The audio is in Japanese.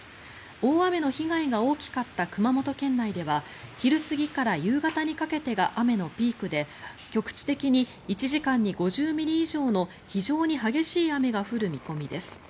大雨の被害が大きかった熊本県内では昼過ぎから夕方にかけてが雨のピークで局地的に１時間に５０ミリ以上の非常に激しい雨が降る見込みです。